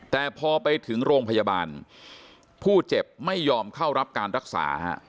แต่พอไปถึงโรงพยาบาลผู้เจ็บไม่ยอมเข้ารับการรักษา